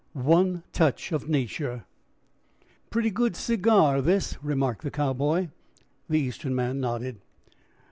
ONE TOUCH OF NATURE. "Pretty good cigar this," remarked the Cowboy. The Eastern man nodded.